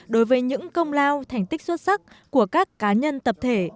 đối với những công lao thành tích xuất sắc của các cá nhân tập thể